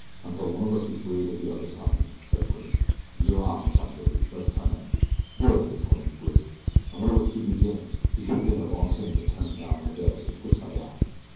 "Until one of us gets wearied of the other's company," said Bridge. "You're on," replied Billy. "Let's turn in." "Good," exclaimed Bridge. "I wonder what's keeping James. He should have been here long since to turn down my bed and fix my bath."